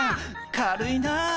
軽いな。